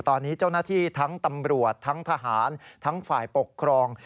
ตอนนี้เจ้าหน้าที่ทั้งตำรวจทั้งทหารทั้งฝ่ายปกครอง